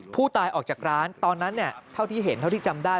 ผู้ตายออกจากร้านตอนนั้นเท่าที่เห็นเท่าที่จำได้